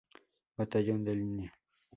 Batallón de Línea.